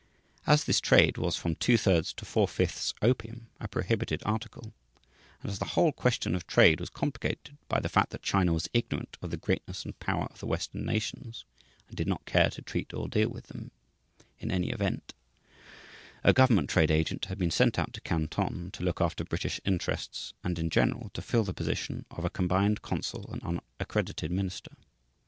As this trade was from two thirds to four fifths opium, a prohibited article, and as the whole question of trade was complicated by the fact that China was ignorant of the greatness and power of the Western nations and did not care to treat or deal with them in any event, a government trade agent had been sent out to Canton to look after British interests and in general to fill the position of a combined consul and unaccredited minister.